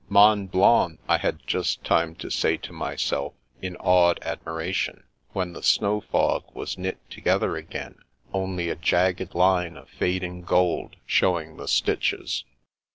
'^Mont Blanc!'' I had just time to say to myself in awed admiration, when the snow fog was knit together again, only a jagged line of fading gold showing the stitches.